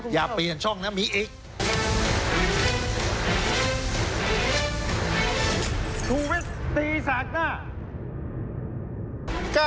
อย่าเปลี่ยนช่องนะมีอีก